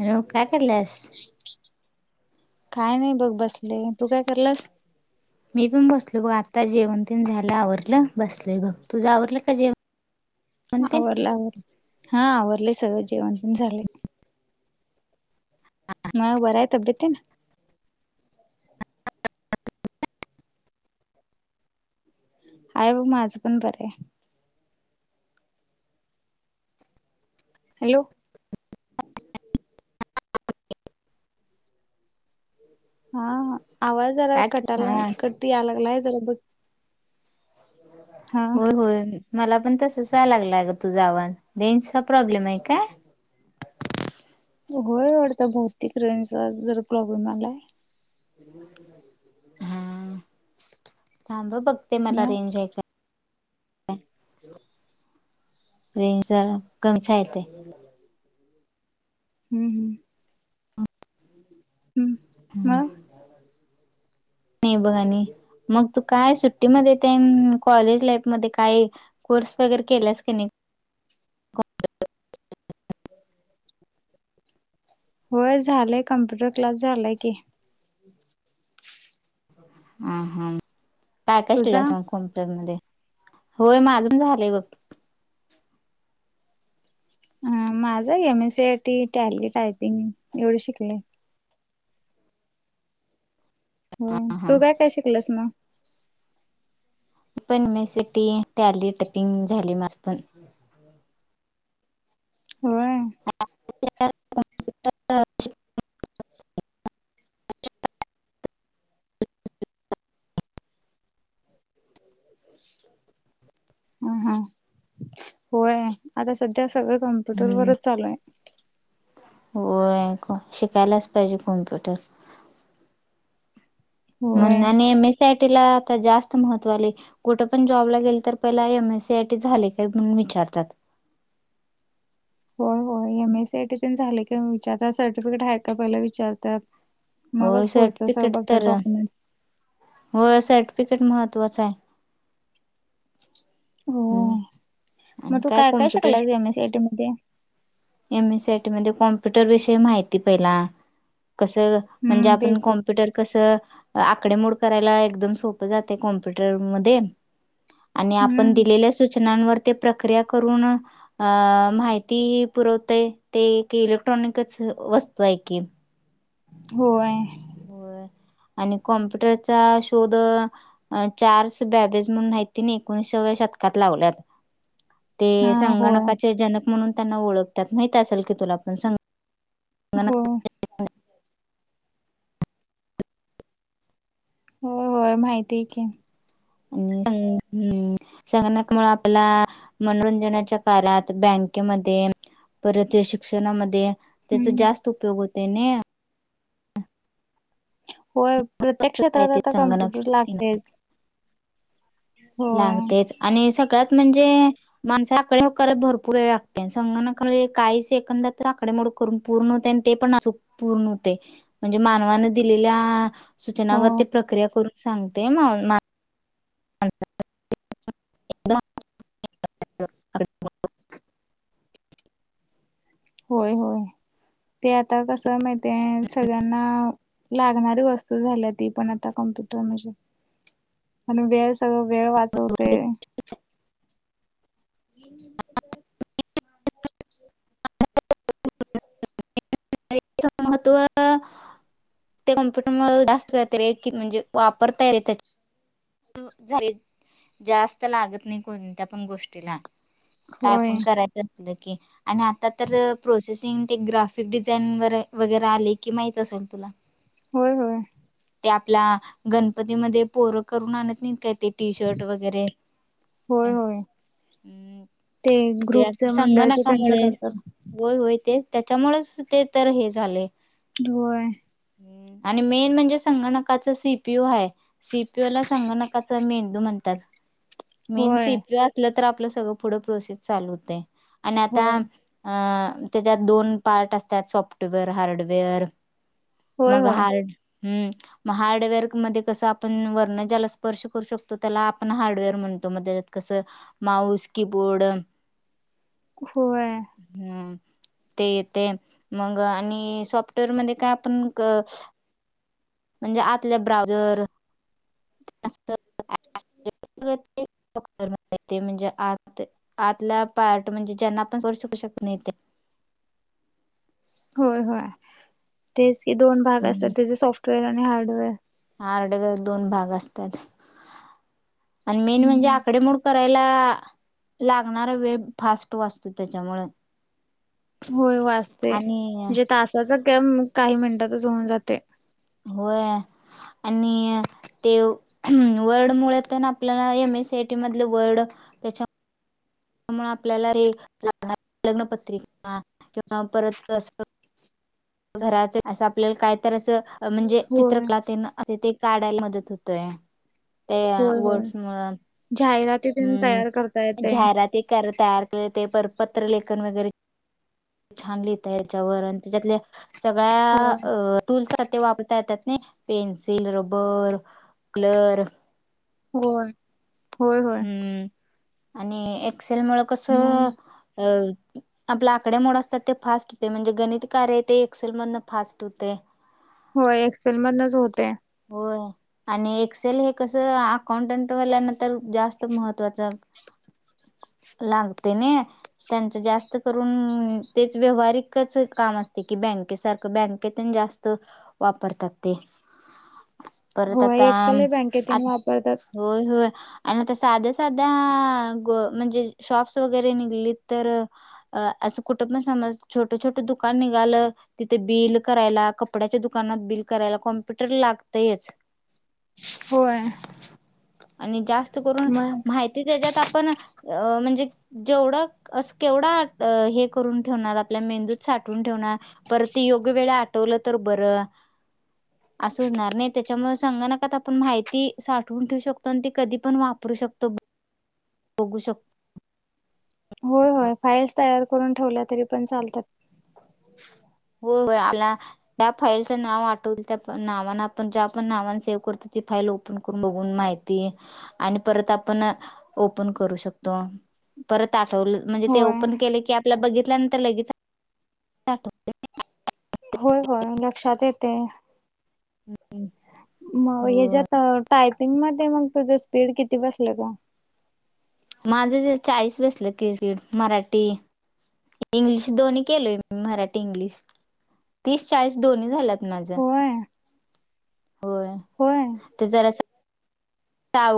Hello, काय कराल्यास? काय नाही बघ, बसले. तू काय कराल्यास? मी पण बसलोय बघ. आता जेवण तेण झालं, आवरलं, बसलोय बघ. तुझं आवरलं का जेव? आवरलं, आवरलं. हा, आवरलंय सगळं जेवण पण झालंय. मग बरं हाय तब्येत तेन? हाय बघ, माझं पण बरं आहे. हॅलो. हा, आवाज जरा काय कटालाय, हा कट याय लागलाय जरा बघ. हा होय होय. मला पण तसंच व्हाय लागलाय अगं, तुझा आवाज. रेंजचा प्रॉब्लेम आहे काय? होय वाटतं, बहुतेक रेंजचा आज प्राॅब्लेम आलाय. हा, थांब हं बघते, मला मग रेंज आहे काय. रेंज जरा, कमीच आहे इथे. हम्म हम्म, हम् मग? नाही बघ आणि. मग तू काय सुट्टीमध्ये तेन, कॉलेज लाईफ मध्ये काय? कोर्स वगैरे केलास की नाही? होय, झालंय कम्प्युटर क्लास झालाय की. अं हा, काय काय तुझा शिकलासा कॉम्प्युटर मध्ये? होय, माझं पण झालंय बघ. हं, माझं M. S. C. I. T., tally, typing एवढे शिकले. हम्म, हा तू काय काय शिकल्यास मग? पण मी सिटींग, टॅली, टायपिंग झालंय माझं पण. होय [unintelligible] ह हा होय आता सध्या सगळं, कॉम्प्युटर हम्म वरंच चालू आहे. होय, शिकायलाच पाहिजे कम्प्युटर. होय म्हणून आणि M. S. C. I. T. ला आता जास्त महत्त्व आलंय. कुठं पण जॉबला गेलं तर, पहिला M. S. C. I. T. झाले काय? म्हणून विचारतात. होय होय M S C I T पण झाले का विचारतात सर्टिफिकेट हाय का पहिल विचारतात. हो मगच पुढच सगळ सर्टिफिकेट बघतात तर डॉक्युमेंट्स. होय सर्टिफिकीट महत्त्वाच आहे. हम्म होय मग आणि तू काय कॉम्प्युटर शिकलास शी M S C I T मध्ये? M S C I T मध्ये कॉम्प्युटर विषयी माहिती पहिला कस म्हणजे हम्म आपण बेसिक. कॉम्प्युटर कस आकडे मोड करायला एकदम सोप जातय कॉम्प्युटर मध्ये. आणि आपण हम्म दिलेल्या सूचनांवर ते प्रक्रिया करून अ माहिती पुरवतय ते इलेक्ट्रॉनिक्सच वस्तू आहे की. होय होय आणि कॉम्प्युटरचा शोध चार्ल्स बॅबेज म्हणून हयीत्यांने एकोणीशव्या शतकात लावल्यात. ते हा होय संगणकाचे जनक म्हणून त्यांना ओळखतात माहित असेल की तुला पण सं हो होय होय माहिती आहे की. आणि [unintelligible] संगणक मुळ आपल्याला मनोरंजनाच्या कारात बँकेमध्ये परत ते शिक्षणामध्ये त्याचा हम्म. जास्त उपयोग होते ना. होय प्रत्येक क्षेत्रात आता संगणक कम्प्युटर लागतेच. होय. लागतेच आणि सगळ्यात म्हणजे माणसे आकडे मोड करायला भरपूर वेळ लागते संगणक काही सेकंदात आकडे मोड पूर्ण होतय ते पण पूर्ण होते म्हणजे मानवान दिलेल्या हो सूचनावरती प्रक्रिया करून सांगते. [unintelligible] [inaudible] होय होय ते आता कस माहितीय सगळ्यांना लागणारी वस्तू झाल्या ती पण आता कम्प्युटर म्हणजे आणि वेळ सगळ वेळ वाचवतय. ह [inaudible] [unintelligible] महत्व ते कम्प्युटर मुळ जास्त [unintelligible] की म्हणजे वापरता येत हो झाली जास्त लागत नाही कोणत्या पण गोष्टीला. काय होय. पण करायच असल की आणि आता तर प्रोसेसिंग ते ग्राफ डिझाईन वर वगैरे आले कि माहित असेल तुला. होय होय ते आपल्या गणपतीमध्ये पोर करून आणत नाहीत काय ते. टी शर्ट वगैरे होय होय हम् ते ग्रुपच आता मंडळच त्यांच संगणकामुळे करतात होय होय ते त्याच्यामुळेच ते तर हे झालय. होय आणि मेन म्हणजे संगणकाच सी पी ओ आहे सीपीओ ला संगणकाचा अस मेंदू म्हणतात मेन होय सीपीओ. असल तर आपल सगळ पुढ प्रोसेस चालू होतय आणि आता होय अ त्याच्यात दोन पार्ट असतात सॉफ्टवेअर हार्डवेअर होय मग होय हार्ड हार्डवेअर मध्ये कस आपण व ज्याला स्पर्श करू शकतो त्याला आपण हार्डवेअर म्हणतो मग त्याजात कस माऊस की बोर्ड होय. हम्, ते येते मग आणि सॉफ्टवेअर मध्ये काय आपण- म्हणजे आतल्या ब्राऊझर असतं. [unintelligible] ते म्हणजे आत आतला पार्ट म्हणजे ज्यांना आपण [unintelligible] शकत नाही ते. होय होय तेच की, दोन भाग असतात त्याचे सॉफ्टवेअर आणि हार्डवेअर. हार्डवेयर दोन भाग असतात. आणि मेन म्हणजे आकडे मोड करायला लागणारा वेळ फास्ट वाचतो त्याच्यामुळं होय वाचते. आणि जे तासाचा कॅम काही मिनिटातच होऊन जाते. होय आणि ते वर्ड मुळ तना आपला M S C I T मधलं वर्ड त्यामुळं आपल्याला रे [unintelligible] लग्नपत्रिका किंवा परत अस घराच अस आपल्याला कायतरी असं म्हणजे होय चित्रकला तेन त ते काढायला मदत होतंय त्या होय होय वर्डस मुळं जाहिराती तेन तयार करता येते. [unintelligible] तयार केले. ते पर पत्रलेखन वगैरे छान लिहिता याच्यावर आणि त्याच्यातल्या सगळ्या होय अ [unintelligible] वापरता येतात नाही. पेन्सिल रबर क्लर व्हय. हम्म, आणि एक्सेल मुळं कसं अ आपला आकडे मोड असतात ते फास्ट होते म्हणजे गणित कार्य ते एक्सेल मधनं फास्ट होते. होय. एक्सेल मधनच होते. होय आणि एक्सेल हे कसं अकाऊटंटवाल्या ना तर जास्त महत्त्वाचा लागते ने त्यांच जास्त करून तेच व्यवहारीकच काम असते की, बँके सारखं बँक ते तन जास्त वापरतात ते. परत होय आता एक्सेल आत बँकेतून वापरतात. होय होय. आणि आता साध्या साध्या ग म्हणजे शॉप्स वगैरे निघलीत तर अ असं कुठपण समज छोटं छोटं दुकान निघालं तिथे बिल करायला. कपड्याच्या दुकानात बिल करायला. कॉम्प्युटर लागतंयच. होय. आणि जास्त करून मग माहिती त्याच्यात आपण अ म्हणजे जेवढं असं केवढा हे करून ठेवणार आपल्या मेंदूत साठवून ठेवणार. परत ते योग्य वेळा आठवलं तर बरं असं होणार नाही त्याच्यामुळे संगणकात आपण माहिती साठवून ठेवू शकतो अन ते कधी पण वापरू शकतो. बघू शक होय होय. फाईल्स तयार करून ठेवल्या तरी पण चालतात. हो होय आला. त्या फाईलचं नाव आठवल त्या पण नावान आपण ज्या आपण नावान सेव्ह करतो ती फाईल ओपन करून बघून माहिती आणि परत आपण ओपन करू शकतो. परत आठवलं म्हणजे ते होय. ओपन केले की आपल्या बघितल्यानंतर लगेच [unintelligible] होय होय, लक्षात येते. मगं आठव ह्यांच्यात टायपिंग मध्यें मंग तुझं स्पीडं किती बसलं गं माझं जे चाळीस बसलं क्रिकेट मराठी इंग्लिश दोन्ही केलोय मराठी इंग्लिश तीस चाळीस दोन्ही झाल्यांत माझंयातं होयं होयं होयं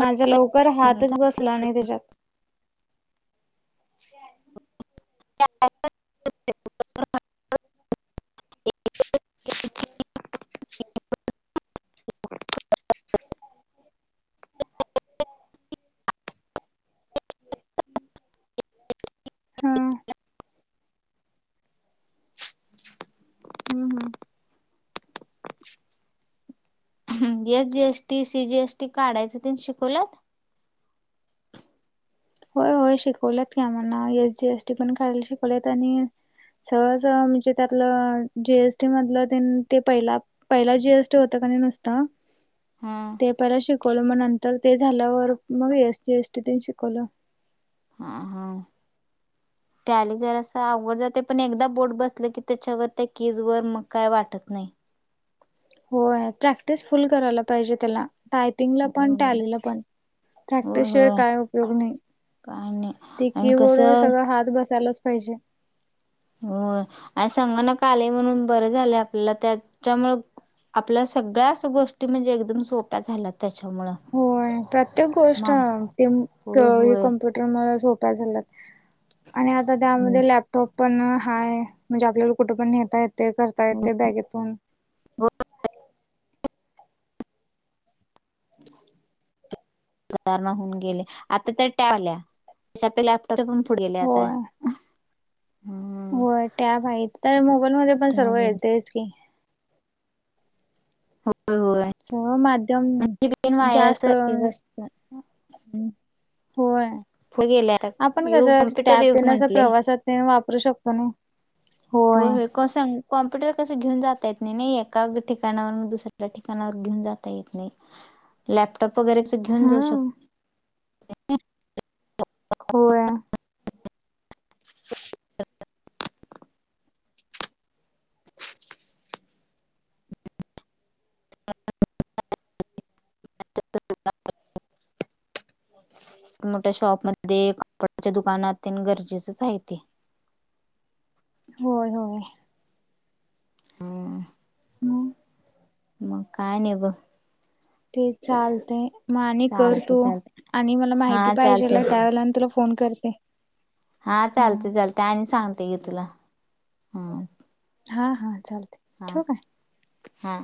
माझं लवकरं हातचं अवघड नाही बसलां नाहीं त्यांच्यात [unintelligible] [unintelligible] हं हां हां होमं एस जीएसटी सी जीएसटी काढायचं ते शिकवल्यांत होयं शिकवलेत की आम्हांला एस जी एसटी पणं करांयला शिकवलेत आणि सहंज सं म्हणजे त्यातलं जीएसटी मधलं ते पहिला पहिला जी एस टी होतं कांनी नुसतां. हम्मं ते पहिला शिकवलं मं नंतर ते झाल्यांवर मंग एस जी एस टी तेनं शिकवलं. हां हां टॅली जरासं आंवघड जातंय, पणं एकदाचं बोटं बसलं की त्यांच्यावर त्यां कीज वरं मंग कायं वाटतं नाहीं. होयं प्रॅक्टिस फुलं करांयला पाहिजे तेलां. टायपिंगलां पणं होय त्यां आलेला पणं प्रॅक्टिसशिवायं कायं उपयोग नाहीं कांयनी ते कीबोर्ड व सगळं हातं बसांयलांच पाहिजे होयं आणि संगनक आलंय म्हणूंन बरं झालंय आपल्यांला त्यांच्यामुळं- आपल्या सगळ्यां चं आसं गोष्टी म्हणजे एकदंम सोप्या झाल्यांत. त्यांच्यामुळं- होयं प्रत्येक गोष्टं तेम की होय हे होय कम्प्युट टरं मुळं सोप्या झाल्यांत, आणि आंता त्यां हम्म मध्यें लॅप टॉप पणं हायं म्हणजे आपल्यांला कुंठे पणं न्हेता येतंय करतां येतंय बॅगेतूंन. हो [unintelligible] [unintelligible] सुधांरणा होऊन गेली, आता तर टॅब आल्यां त्यांच्या पं पणं पुढे गेल्यां आंता. हो टॅब आहेतं, ते मोबाईल मध्यें पणं सर्व होय येतंच की. होतं होयं. सगळं माध्यमं जास्तं- हम्मं होयं. आपणं युग कसं ते कॉम्प्युटर टॅब युग तेनं असं म्हंटले प्रवासांत तेन वापरूं शकतो नां. होयं. कसं कॉम्प्युटर कसं घेऊन जातं येतं नाहीं, एकां ठिकाणांवरुन दुसऱ्यां ठिकाणांवर घेऊंन जांता येतं नाही. लॅपटॉप वगैरें कसं घेऊंन जाऊं शकतं हम्म तयं नी होयं. [unintelligible] [unintelligible] मोठ्या शॉप मध्ये, कपडाच्या दुकानात तेन गरजेचचं हाय ते. होय -होय. हम्म. मग म काय नी ब ठीक चालतय. म आणि कर चालते तू. चालते आणि मला हा माहिती पाहिजेल चालते आय त्यावेळेला आणि तुला फोन करते. हा चालतय - चालतय. आणि सांगते घे तुला हम. हा हा चालतय. हा हा.